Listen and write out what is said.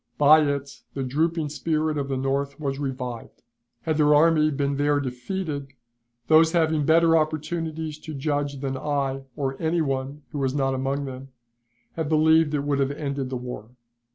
By it the drooping spirit of the North was revived. Had their army been there defeated, those having better opportunities to judge than I or any one who was not among them, have believed it would have ended the war.